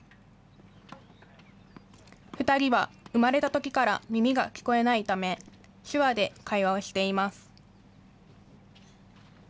２人は生まれたときから耳が聞こえないため、手話で会話をしています。